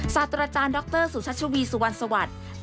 ศาสตราจารย์ดรสุชัชวีสุวรรณสวัสดิ์